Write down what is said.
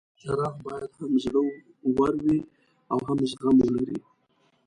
جراح باید هم زړه ور وي او هم زغم ولري.